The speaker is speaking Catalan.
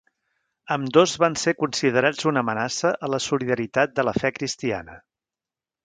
Ambdós van ser considerats una amenaça a la solidaritat de la fe cristiana.